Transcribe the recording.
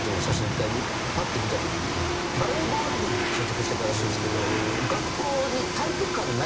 バレーボール部に所属してたらしいんすけど。